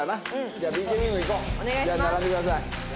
じゃあ並んでください。